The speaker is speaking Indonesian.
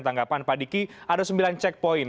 tanggapan pak diki ada sembilan checkpoint